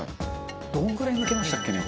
「どのぐらいむけましたっけね？